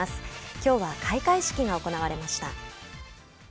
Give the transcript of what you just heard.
きょうは開会式が行われました。